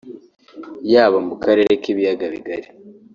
yaba mu karere k’ibiyaga bigari